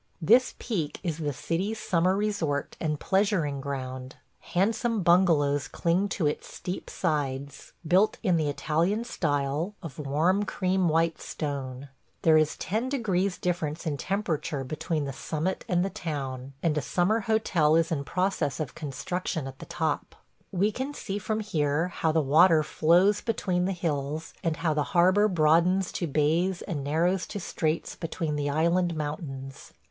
This peak is the city's summer resort and pleasuring ground. Handsome bungalows cling to its steep sides – built in the Italian style, of warm cream white stone. There is ten degrees difference in temperature between the summit and the town, and a summer hotel is in process of construction at the top. ... We can see from here how the water flows between the hills, and how the harbor broadens to bays and narrows to straits between the island mountains.